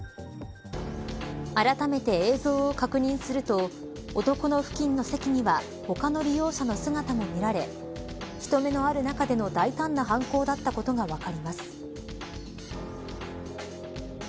あらためて映像を確認すると男の付近の席には他の利用者の姿も見られ人目のある中での大胆な犯行だったことが分かります。